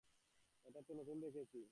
এটা তো নতুন দেখছি।